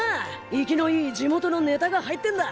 生きのいい地元のネタが入ってんだ。